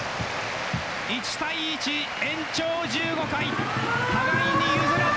１対１延長１５回互いに譲らず！